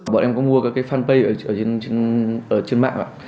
bọn em có mua các cái fanpage ở trên mạng ạ